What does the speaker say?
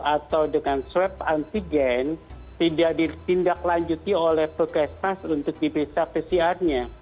atau dengan swab antigen tidak ditindaklanjuti oleh pukesmas untuk diperiksa pcr nya